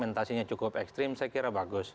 sementasinya cukup ekstrim saya kira bagus